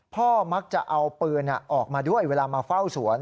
พ่อมักจะเอาปืนออกมาด้วยเวลามาเฝ้าสวน